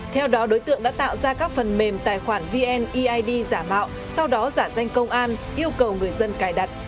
theo đó đối tượng đã tạo ra các phần mềm tài khoản vneid giả mạo sau đó giả danh công an yêu cầu người dân cài đặt